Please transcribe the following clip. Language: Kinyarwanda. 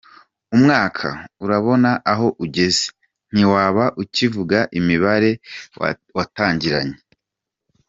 Umwaka urabona aho ugeze, ntiwaba ukivuga imibare watangiranye.